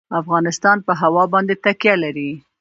افغانستان په هوا باندې تکیه لري.